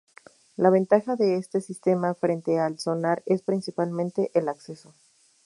La ventaja de este sistema frente al sonar es principalmente el acceso.